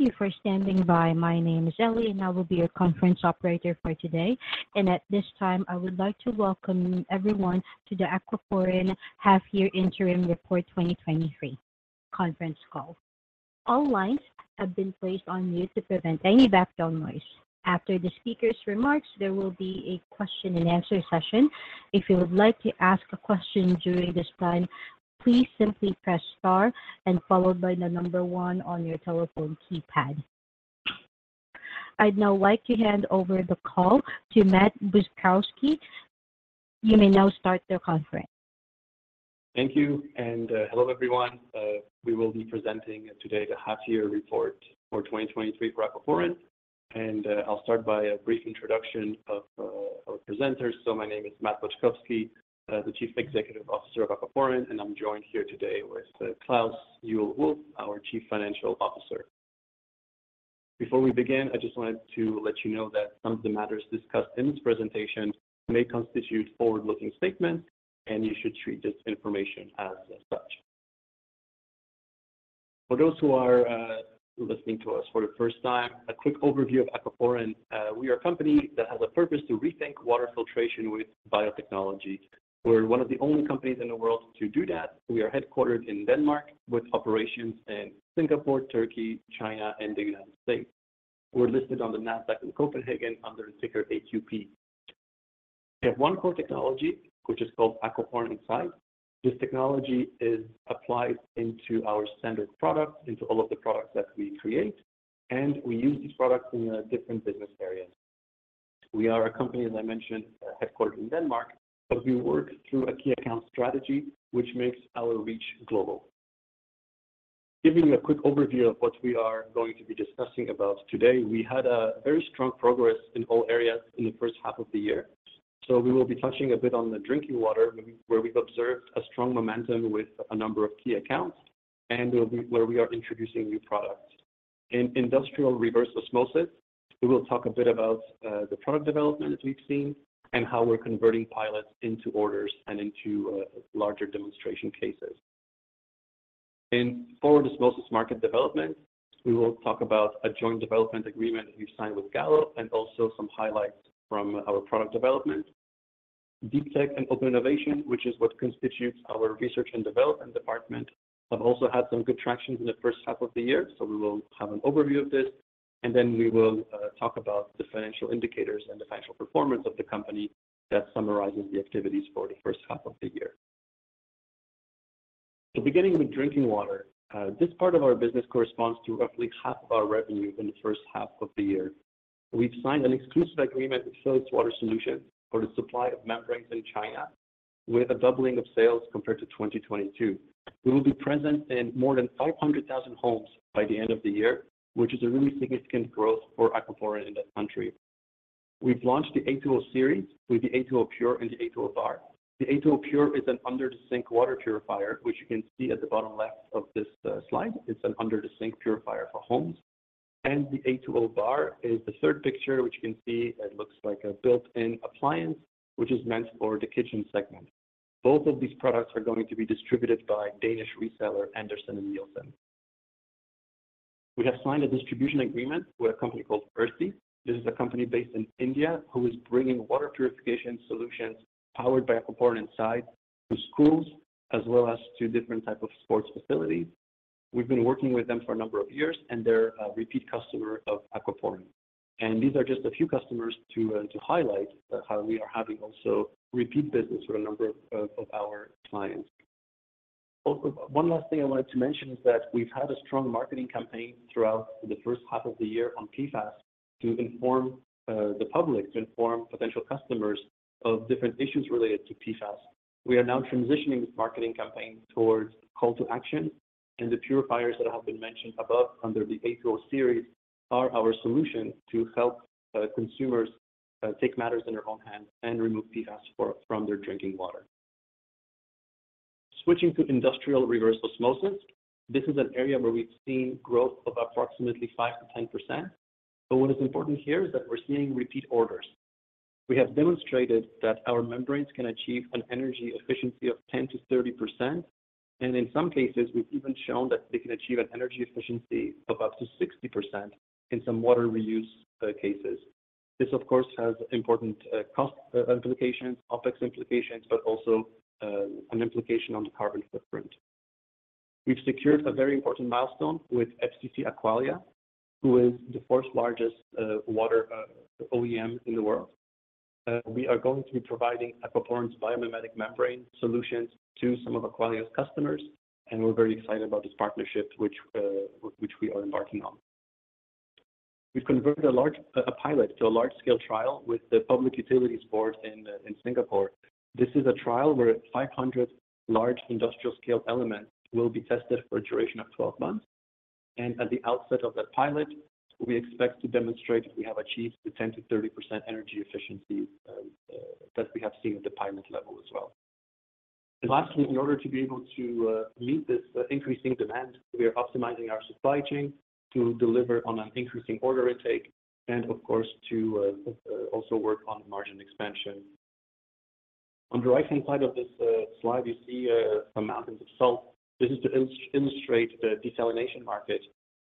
Thank you for standing by. My name is Ellie, and I will be your conference operator for today. At this time, I would like to welcome everyone to the Aquaporin Half Year Interim Report 2023 conference call. All lines have been placed on mute to prevent any background noise. After the speaker's remarks, there will be a question and answer session. If you would like to ask a question during this time, please simply press star and followed by the number one on your telephone keypad. I'd now like to hand over the call to Matt Boczkowski. You may now start the conference. Thank you, and hello, everyone. We will be presenting today the half-year report for 2023 for Aquaporin. I'll start by a brief introduction of our presenters. So my name is Matt Boczkowski, the Chief Executive Officer of Aquaporin, and I'm joined here today with Klaus Juhl Wulff, our Chief Financial Officer. Before we begin, I just wanted to let you know that some of the matters discussed in this presentation may constitute forward-looking statements, and you should treat this information as such. For those who are listening to us for the first time, a quick overview of Aquaporin. We are a company that has a purpose to rethink water filtration with biotechnology. We're one of the only companies in the world to do that. We are headquartered in Denmark, with operations in Singapore, Turkey, China, and the United States. We're listed on Nasdaq Copenhagen under the ticker AQP. We have one core technology, which is called Aquaporin Inside. This technology is applied into our standard products, into all of the products that we create, and we use these products in different business areas. We are a company, as I mentioned, headquartered in Denmark, but we work through a key account strategy, which makes our reach global. Giving you a quick overview of what we are going to be discussing about today, we had a very strong progress in all areas in the first half of the year. So we will be touching a bit on the drinking water, where we've observed a strong momentum with a number of key accounts, and where we are introducing new products. In industrial reverse osmosis, we will talk a bit about, the product development that we've seen and how we're converting pilots into orders and into, larger demonstration cases. In forward osmosis market development, we will talk about a joint development agreement that we've signed with Gallo and also some highlights from our product development. Deep tech and open innovation, which is what constitutes our research and development department, have also had some good traction in the first half of the year, so we will have an overview of this. And then we will, talk about the financial indicators and the financial performance of the company that summarizes the activities for the first half of the year. So beginning with drinking water, this part of our business corresponds to roughly half of our revenue in the first half of the year. We've signed an exclusive agreement with Philips Water Solutions for the supply of membranes in China, with a doubling of sales compared to 2022. We will be present in more than 500,000 homes by the end of the year, which is a really significant growth for Aquaporin in that country. We've launched the A2O series with the A2O Pure and the A2O Bar. The A2O Pure is an under-the-sink water purifier, which you can see at the bottom left of this slide. It's an under-the-sink purifier for homes. And the A2O Bar is the third picture, which you can see it looks like a built-in appliance, which is meant for the kitchen segment. Both of these products are going to be distributed by Danish reseller, Andersen & Nielsen. We have signed a distribution agreement with a company called Urthy. This is a company based in India who is bringing water purification solutions powered by Aquaporin Inside to schools, as well as to different type of sports facilities. We've been working with them for a number of years, and they're a repeat customer of Aquaporin. These are just a few customers to highlight how we are having also repeat business with a number of our clients. Also, one last thing I wanted to mention is that we've had a strong marketing campaign throughout the first half of the year on PFAS to inform the public, to inform potential customers of different issues related to PFAS. We are now transitioning this marketing campaign towards call to action, and the purifiers that have been mentioned above under the A2O series are our solution to help consumers take matters into their own hands and remove PFAS from their drinking water. Switching to industrial reverse osmosis, this is an area where we've seen growth of approximately 5%-10%, but what is important here is that we're seeing repeat orders. We have demonstrated that our membranes can achieve an energy efficiency of 10%-30%, and in some cases, we've even shown that they can achieve an energy efficiency of up to 60% in some water reuse cases. This, of course, has important cost implications, OpEx implications, but also an implication on the carbon footprint. We've secured a very important milestone with FCC Aqualia, who is the fourth largest water OEM in the world. We are going to be providing Aquaporin's biomimetic membrane solutions to some of Aqualia's customers, and we're very excited about this partnership, which we are embarking on. We've converted a large a pilot to a large-scale trial with the Public Utilities Board in Singapore. This is a trial where 500 large industrial-scale elements will be tested for a duration of 12 months. And at the outset of that pilot, we expect to demonstrate that we have achieved the 10%-30% energy efficiency that we have seen at the pilot level as well. Lastly, in order to be able to meet this increasing demand, we are optimizing our supply chain to deliver on an increasing order intake and of course, to also work on margin expansion.... On the right-hand side of this slide, you see a mountain of salt. This is to illustrate the desalination market.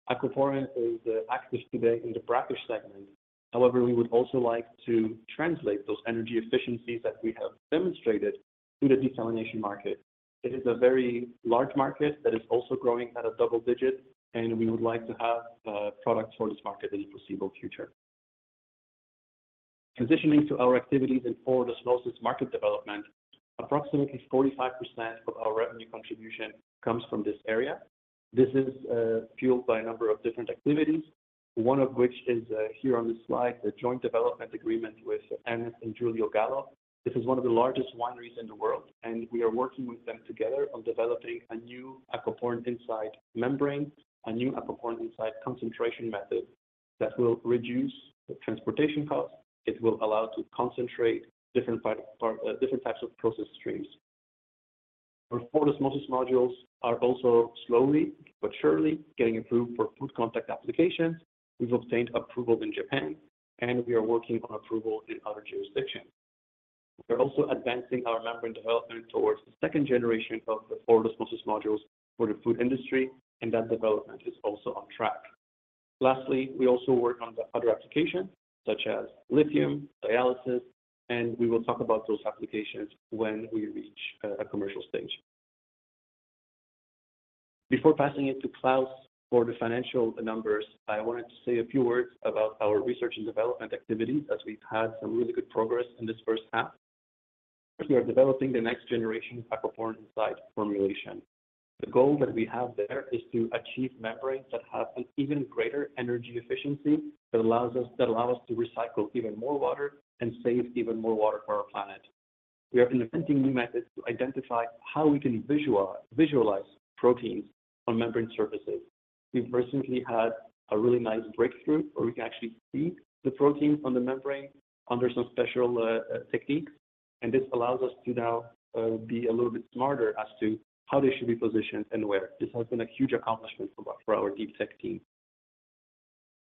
Aquaporin is active today in the brackish segment. However, we would also like to translate those energy efficiencies that we have demonstrated to the desalination market. It is a very large market that is also growing at a double-digit, and we would like to have products for this market in the foreseeable future. Transitioning to our activities in forward osmosis market development, approximately 45% of our revenue contribution comes from this area. This is fueled by a number of different activities, one of which is here on this slide, the joint development agreement with Ernest & Julio Gallo. This is one of the largest wineries in the world, and we are working with them together on developing a new Aquaporin Inside membrane, a new Aquaporin Inside concentration method that will reduce the transportation costs. It will allow to concentrate different part, different types of process streams. Our forward osmosis modules are also slowly but surely getting approved for food contact applications. We've obtained approval in Japan, and we are working on approval in other jurisdictions. We're also advancing our membrane development towards the second generation of the forward osmosis modules for the food industry, and that development is also on track. Lastly, we also work on the other applications such as lithium, dialysis, and we will talk about those applications when we reach a commercial stage. Before passing it to Klaus for the financial numbers, I wanted to say a few words about our research and development activities, as we've had some really good progress in this first half. We are developing the next generation Aquaporin Inside formulation. The goal that we have there is to achieve membranes that have an even greater energy efficiency, that allows us—that allow us to recycle even more water and save even more water for our planet. We have been inventing new methods to identify how we can visualize proteins on membrane surfaces. We've recently had a really nice breakthrough, where we can actually see the proteins on the membrane under some special techniques, and this allows us to now be a little bit smarter as to how they should be positioned and where. This has been a huge accomplishment for our deep tech team.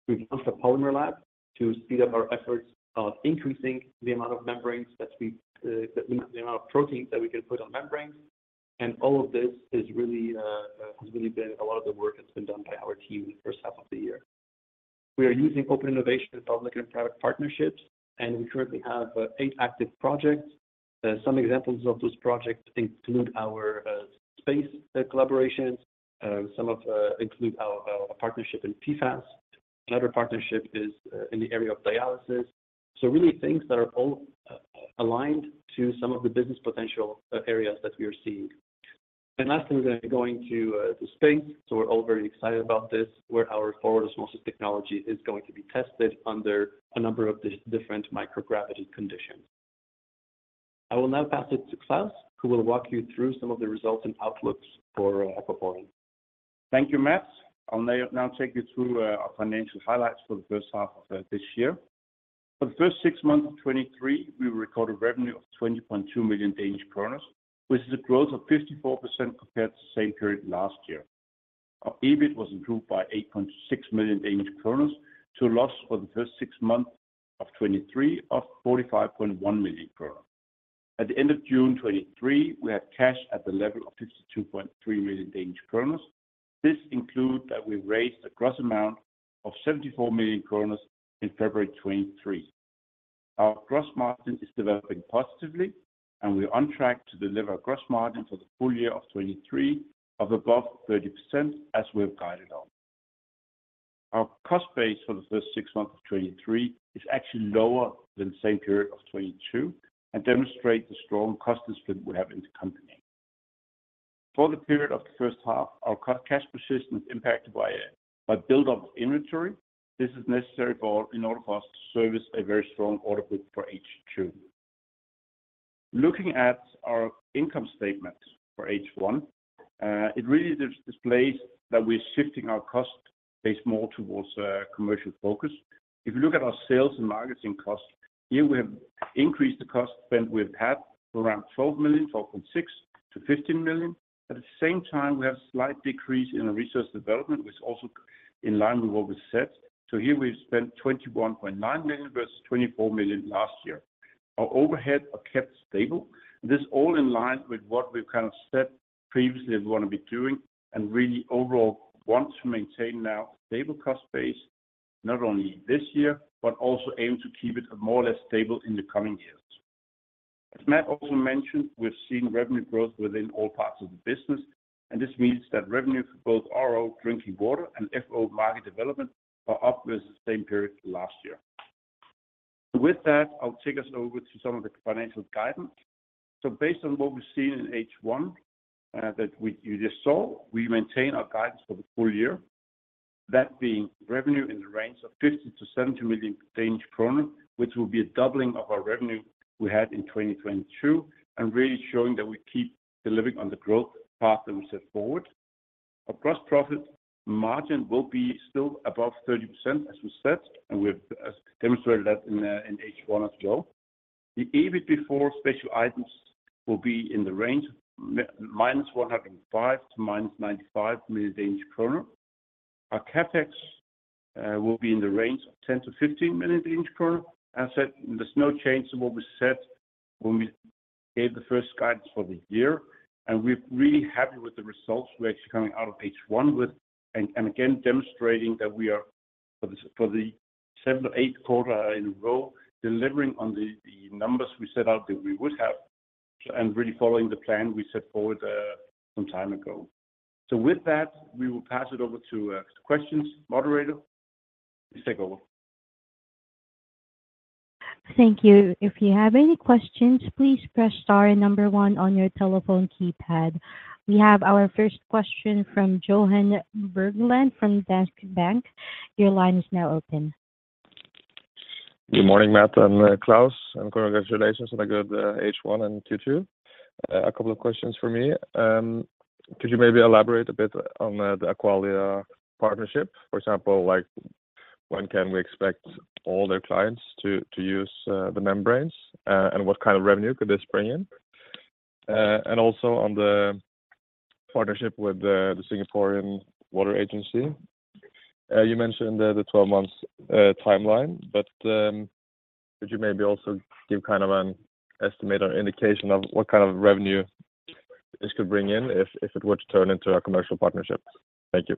We've built a polymer lab to speed up our efforts of increasing the amount of proteins that we can put on membranes. All of this has really been a lot of the work that's been done by our team in the first half of the year. We are using open innovation and public and private partnerships, and we currently have eight active projects. Some examples of those projects include our space collaborations. Some include our partnership in PFAS. Another partnership is in the area of dialysis. So really, things that are all aligned to some of the business potential areas that we are seeing. And lastly, we're going to space, so we're all very excited about this, where our forward osmosis technology is going to be tested under a number of different microgravity conditions. I will now pass it to Klaus, who will walk you through some of the results and outlooks for Aquaporin. Thank you, Matt. I'll now take you through our financial highlights for the first half of this year. For the first six months of 2023, we recorded revenue of 20.2 million Danish kroner, which is a growth of 54% compared to the same period last year. Our EBIT was improved by 8.6 million Danish kroner to a loss for the first six months of 2023, of 45.1 million kroner. At the end of June 2023, we had cash at the level of 52.3 million Danish kroner. This include that we raised a gross amount of 74 million kroner in February 2023. Our gross margin is developing positively, and we're on track to deliver a gross margin for the full year of 2023, of above 30%, as we have guided on. Our cost base for the first six months of 2023 is actually lower than the same period of 2022, and demonstrates the strong cost discipline we have in the company. For the period of the first half, our cash position is impacted by a by buildup of inventory. This is necessary for in order for us to service a very strong order book for H2. Looking at our income statement for H1, it really displays that we're shifting our cost base more towards commercial focus. If you look at our sales and marketing costs, here we have increased the cost than we've had to around 12 million, 12.6 million-15 million. At the same time, we have slight decrease in our research development, which is also in line with what we set. So here we've spent 21.9 million versus 24 million last year. Our overhead are kept stable, and this all in line with what we've kind of said previously we want to be doing, and really overall, want to maintain now a stable cost base, not only this year, but also aim to keep it more or less stable in the coming years. As Matt also mentioned, we've seen revenue growth within all parts of the business, and this means that revenue for both RO drinking water and FO market development are up versus the same period last year. With that, I'll take us over to some of the financial guidance. So based on what we've seen in H1, that we, you just saw, we maintain our guidance for the full year. That being revenue in the range of 50-70 million Danish kroner, which will be a doubling of our revenue we had in 2022, and really showing that we keep delivering on the growth path that we set forward. Our gross profit margin will be still above 30%, as we said, and we've demonstrated that in H1 as well. The EBIT before special items will be in the range of minus 105 to minus 95 million Danish kroner. Our CapEx will be in the range of 10-15 million kroner. As said, there's no change to what we said when we gave the first guidance for the year, and we're really happy with the results we're actually coming out of H1 with. And again, demonstrating that we are for the seventh or eighth quarter in a row, delivering on the numbers we set out that we would have, and really following the plan we set forward, some time ago. So with that, we will pass it over to questions. Moderator, please take over. Thank you. If you have any questions, please press star and number one on your telephone keypad. We have our first question from Johan Berglund from Danske Bank. Your line is now open. Good morning, Matt and Klaus, and congratulations on a good H1 and Q2. A couple of questions from me. Could you maybe elaborate a bit on the Aqualia partnership? For example, like, when can we expect all their clients to use the membranes? And what kind of revenue could this bring in? And also on the partnership with the Singaporean Water Agency. You mentioned the 12 months timeline, but could you maybe also give kind of an estimate or indication of what kind of revenue this could bring in if it were to turn into a commercial partnership? Thank you.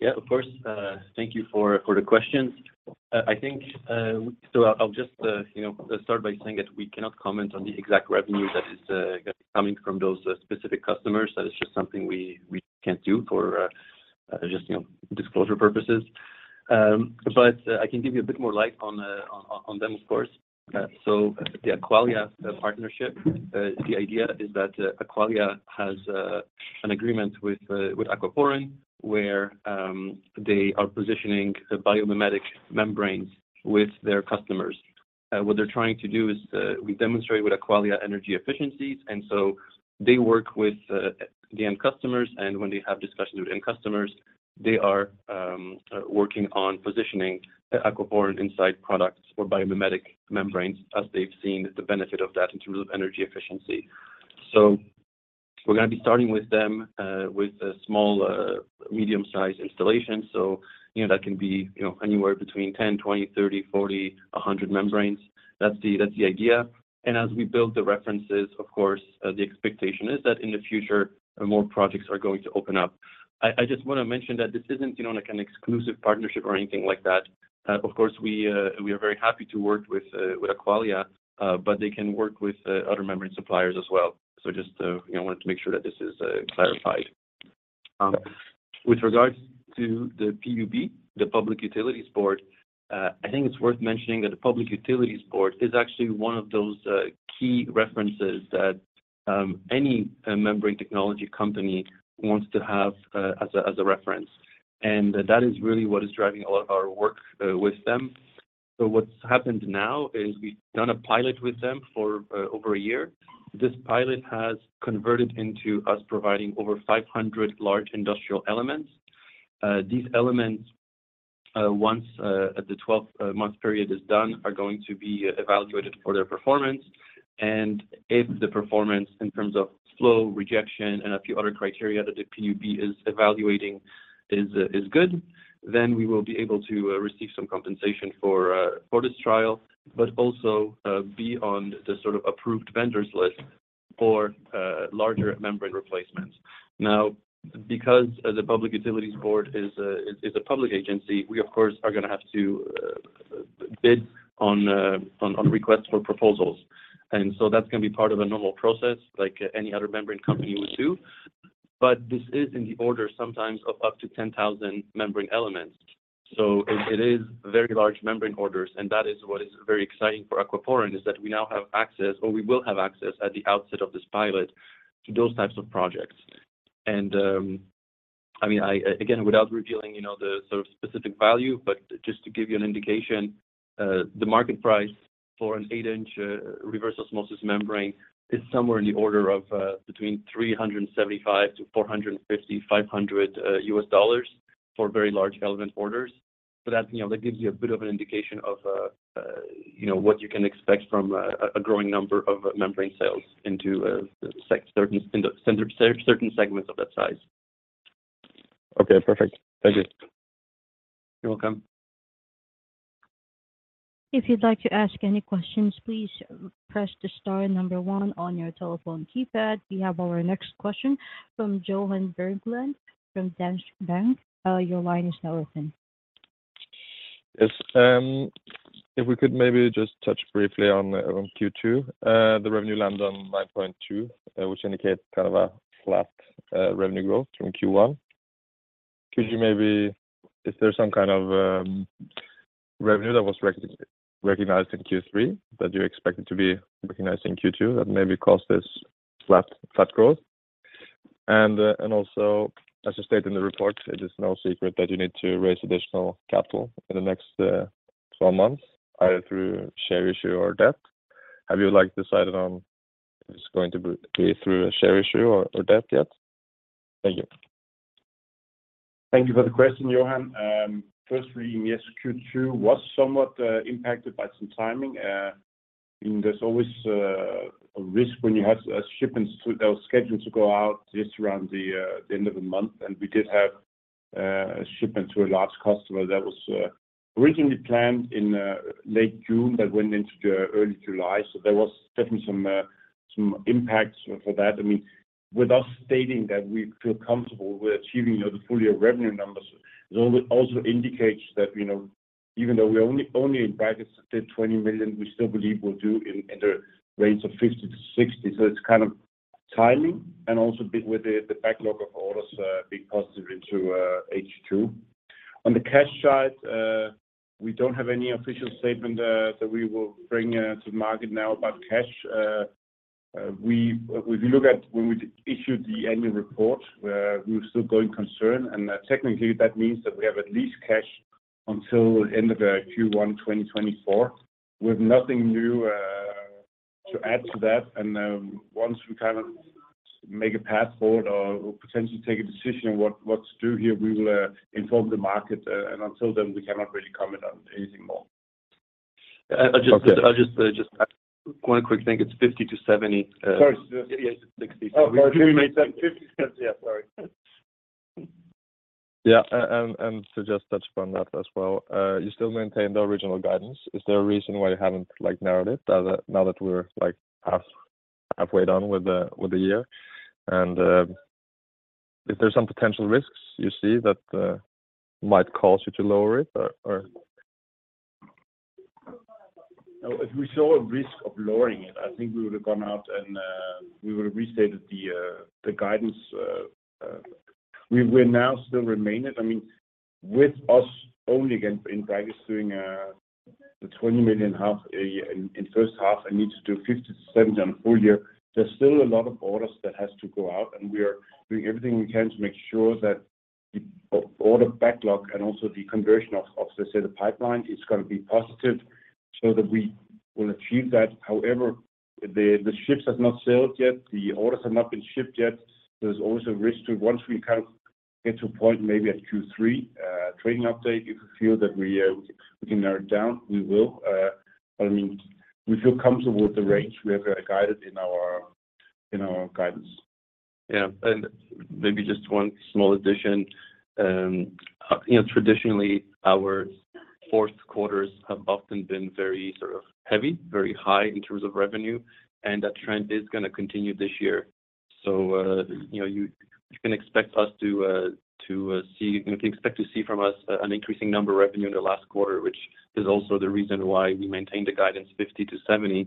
Yeah, of course. Thank you for, for the questions. I think... So I'll just, you know, start by saying that we cannot comment on the exact revenue that is, going to be coming from those specific customers. That is just something we, we can't do for, just, you know, disclosure purposes. But I can give you a bit more light on, on, on them, of course. So the Aqualia partnership, the idea is that, Aqualia has, an agreement with, with Aquaporin, where, they are positioning the biomimetic membranes with their customers. What they're trying to do is, we demonstrate with Aqualia energy efficiencies, and so they work with the end customers, and when they have discussions with end customers, they are working on positioning the Aquaporin Inside products or biomimetic membranes, as they've seen the benefit of that in terms of energy efficiency. So we're gonna be starting with them with a small, medium-sized installation. So, you know, that can be, you know, anywhere between 10, 20, 30, 40, 100 membranes. That's the idea. And as we build the references, of course, the expectation is that in the future, more projects are going to open up. I just want to mention that this isn't, you know, like an exclusive partnership or anything like that. Of course, we are very happy to work with Aqualia, but they can work with other membrane suppliers as well. So just to, you know, I wanted to make sure that this is clarified. With regards to the PUB, the Public Utilities Board, I think it's worth mentioning that the Public Utilities Board is actually one of those key references that any membrane technology company wants to have as a reference. And that is really what is driving a lot of our work with them. So what's happened now is we've done a pilot with them for over a year. This pilot has converted into us providing over 500 large industrial elements. These elements, once the 12 month period is done, are going to be evaluated for their performance. And if the performance in terms of flow, rejection, and a few other criteria that the PUB is evaluating is good, then we will be able to receive some compensation for this trial, but also be on the sort of approved vendors list for larger membrane replacements. Now, because as a Public Utilities Board is a public agency, we, of course, are gonna have to bid on requests for proposals. And so that's gonna be part of a normal process like any other membrane company would do. But this is in the order sometimes of up to 10,000 membrane elements, so it, it is very large membrane orders, and that is what is very exciting for Aquaporin, is that we now have access, or we will have access at the outset of this pilot to those types of projects. And, I mean, again, without revealing, you know, the sort of specific value, but just to give you an indication, the market price for an 8-inch, reverse osmosis membrane is somewhere in the order of, between $375-$450, $500 US dollars for very large element orders. So that, you know, that gives you a bit of an indication of, you know, what you can expect from a growing number of membrane sales into certain segments of that size. Okay, perfect. Thank you. You're welcome. If you'd like to ask any questions, please press the star and number one on your telephone keypad. We have our next question from Johan Berglund, from Danske Bank. Your line is now open. Yes, if we could maybe just touch briefly on Q2. The revenue landed on 9.2, which indicates kind of a flat revenue growth from Q1. Could you maybe? Is there some kind of revenue that was recognized in Q3, that you expected to be recognized in Q2, that maybe caused this flat, flat growth? And also, as you state in the report, it is no secret that you need to raise additional capital in the next 12 months, either through share issue or debt. Have you, like, decided on if it's going to be through a share issue or debt yet? Thank you.... Thank you for the question, Johan. Firstly, yes, Q2 was somewhat impacted by some timing. And there's always a risk when you have shipments to-- that was scheduled to go out just around the end of the month, and we did have a shipment to a large customer that was originally planned in late June, but went into the early July. So there was definitely some impacts for that. I mean, with us stating that we feel comfortable with achieving the full year revenue numbers, it also indicates that, you know, even though we only in brackets did 20 million, we still believe we'll do in the range of 50-60 million. So it's kind of timing and also bit with the backlog of orders being positive into H2. On the cash side, we don't have any official statement that we will bring to market now about cash. We look at when we issued the annual report, we're still going concern, and technically, that means that we have at least cash until the end of Q1 2024. We have nothing new to add to that, and once we kind of make a path forward or potentially take a decision on what to do here, we will inform the market, and until then, we cannot really comment on anything more. I'll just- Okay. I'll just, just one quick thing. It's 50-70. Sorry. Yeah, yeah, 60. Oh, we made that 50, yeah, sorry. Yeah, and so just touch upon that as well. You still maintain the original guidance. Is there a reason why you haven't, like, narrowed it, now that we're, like, halfway done with the year? And is there some potential risks you see that might cause you to lower it, or? No, if we saw a risk of lowering it, I think we would have gone out and, we would have restated the, the guidance... We now still remain it. I mean, with us only, again, in practice, doing the 20 million half a year, in first half, and need to do 50 million-70 million on the full year, there's still a lot of orders that has to go out, and we are doing everything we can to make sure that the order backlog and also the conversion of, of, let's say, the pipeline, is gonna be positive so that we will achieve that. However, the ships have not sailed yet, the orders have not been shipped yet. There's also a risk to... Once we kind of get to a point, maybe at Q3 trading update, if you feel that we can narrow it down, we will. But I mean, we feel comfortable with the range we have guided in our guidance. Yeah, and maybe just one small addition. You know, traditionally, our fourth quarters have often been very sort of heavy, very high in terms of revenue, and that trend is gonna continue this year. So, you know, you can expect to see from us an increasing number of revenue in the last quarter, which is also the reason why we maintained the guidance 50-70,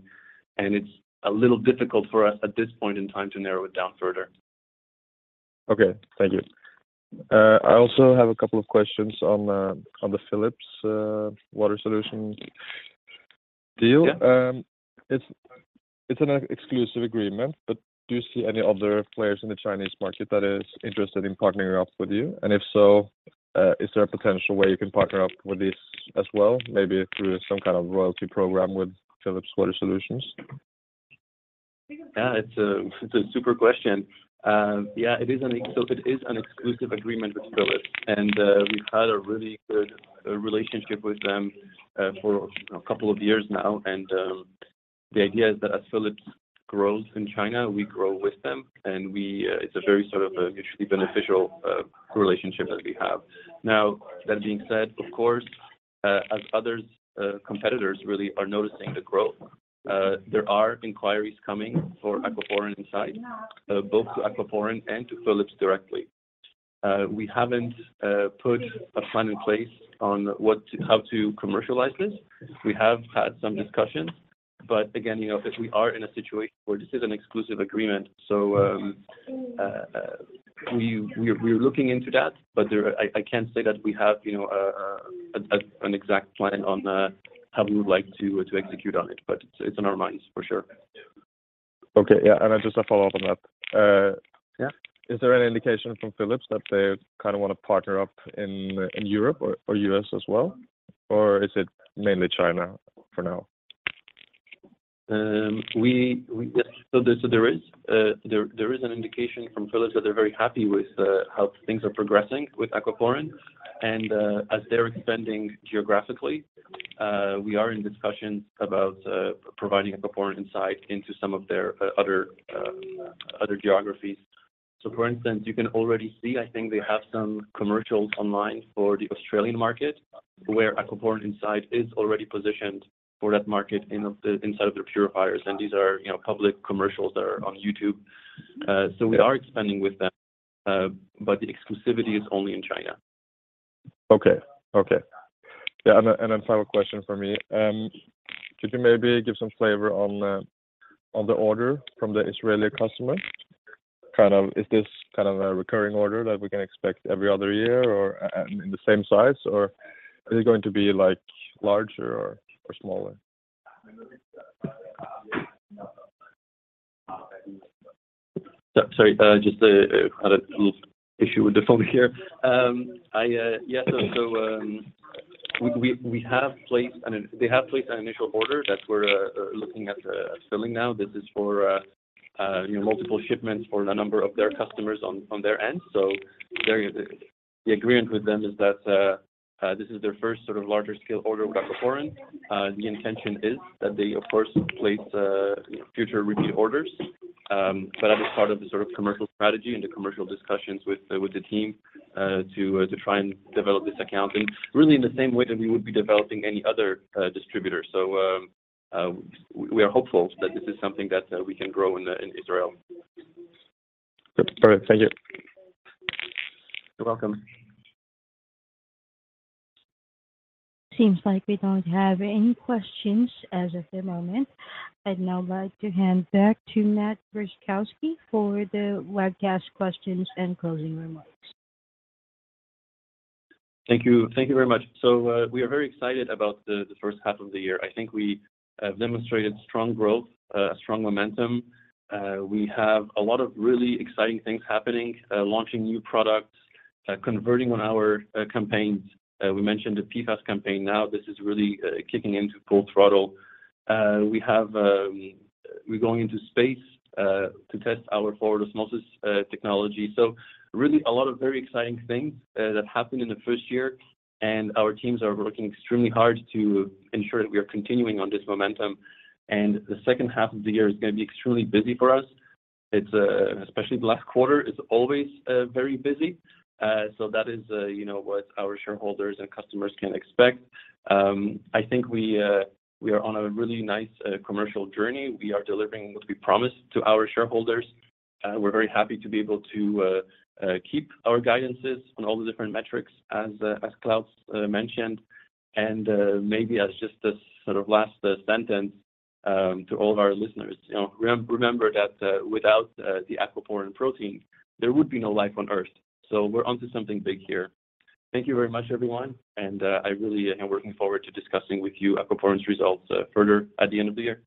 and it's a little difficult for us at this point in time to narrow it down further. Okay, thank you. I also have a couple of questions on the, on the Philips Water Solutions deal. Yeah. It's an exclusive agreement, but do you see any other players in the Chinese market that is interested in partnering up with you? And if so, is there a potential where you can partner up with this as well, maybe through some kind of royalty program with Philips Water Solutions? Yeah, it's a super question. Yeah, it is an exclusive agreement with Philips, and we've had a really good relationship with them for a couple of years now. And the idea is that as Philips grows in China, we grow with them, and we... It's a very sort of a mutually beneficial relationship that we have. Now, that being said, of course, as others, competitors really are noticing the growth, there are inquiries coming for Aquaporin Inside, both to Aquaporin and to Philips directly. We haven't put a plan in place on what to—how to commercialize this. We have had some discussions, but again, you know, as we are in a situation where this is an exclusive agreement, so we're looking into that, but I can't say that we have, you know, an exact plan on how we would like to execute on it, but it's on our minds for sure. Okay, yeah, I just have a follow-up on that. Yeah. Is there any indication from Philips that they kind of want to partner up in Europe or U.S. as well, or is it mainly China for now? Yeah, so there is an indication from Philips that they're very happy with how things are progressing with Aquaporin. And as they're expanding geographically, we are in discussions about providing Aquaporin Inside into some of their other geographies. So, for instance, you can already see, I think they have some commercials online for the Australian market, where Aquaporin Inside is already positioned for that market inside of their purifiers, and these are, you know, public commercials that are on YouTube. So we are expanding with them, but the exclusivity is only in China. Okay, okay. Yeah, and then, and then final question for me. Could you maybe give some flavor on the, on the order from the Israeli customer? Kind of, is this kind of a recurring order that we can expect every other year or in the same size, or is it going to be, like, larger or smaller? Sorry, just had a little issue with the phone here. They have placed an initial order that we're looking at filling now. This is for, you know, multiple shipments for a number of their customers on their end. So the agreement with them is that this is their first sort of larger scale order with Aquaporin. The intention is that they, of course, place future repeat orders. But that is part of the sort of commercial strategy and the commercial discussions with the team to try and develop this account and really in the same way that we would be developing any other distributor. So, we are hopeful that this is something that we can grow in, in Israel. Perfect. Thank you. You're welcome. Seems like we don't have any questions as of the moment. I'd now like to hand back to Matt Boczkowski for the webcast questions and closing remarks. Thank you. Thank you very much. We are very excited about the first half of the year. I think we have demonstrated strong growth, strong momentum. We have a lot of really exciting things happening, launching new products, converting on our campaigns. We mentioned the PFAS campaign. Now, this is really kicking into full throttle. We have we're going into space to test our forward osmosis technology. So really, a lot of very exciting things that happened in the first year, and our teams are working extremely hard to ensure that we are continuing on this momentum. The second half of the year is gonna be extremely busy for us. It's especially the last quarter is always very busy. So that is, you know, what our shareholders and customers can expect. I think we are on a really nice commercial journey. We are delivering what we promised to our shareholders. We're very happy to be able to keep our guidances on all the different metrics as Klaus mentioned. And maybe as just a sort of last sentence, to all of our listeners, you know, remember that without the Aquaporin protein, there would be no life on Earth. So we're onto something big here. Thank you very much, everyone, and I really am looking forward to discussing with you Aquaporin's results further at the end of the year.